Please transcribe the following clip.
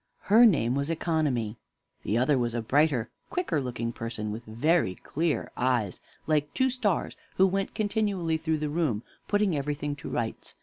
Her name was Economy. The other was a brighter, quicker looking person, with very clear eyes, like two stars, who went continually through the room, putting everything to rights.